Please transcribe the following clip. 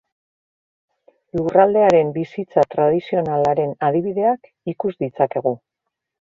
Lurraldearen bizitza tradizionalaren adibideak ikus ditzakegu.